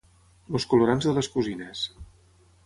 Els colorants de les cosines.